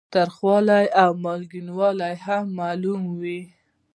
تریخوالی او مالګینوالی هم معلوموي.